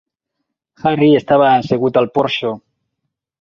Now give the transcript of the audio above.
Harry estava assegut al porxo.